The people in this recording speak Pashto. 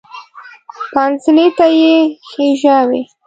پانسۍ ته یې خېژاوې.